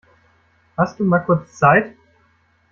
Hast du mal kurz Zeit?